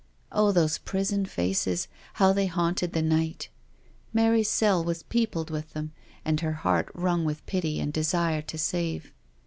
Oh, those prison faces, how they haunted the night I Mary's cell was peopled with them, and her heart wrung with pity and desire to save.